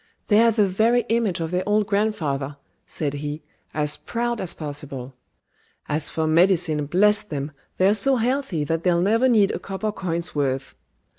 "They're the very image of their old grandfather," said he, as proud as possible. "As for medicine, bless them, they're so healthy that they'll never need a copper coin's worth!"